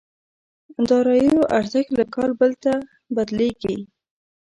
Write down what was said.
داراییو ارزښت له کال بل ته بدلېږي.